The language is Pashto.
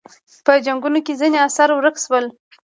په جنګونو کې ځینې اثار ورک شول